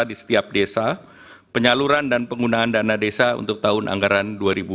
di setiap desa penyaluran dan penggunaan dana desa untuk tahun anggaran dua ribu dua puluh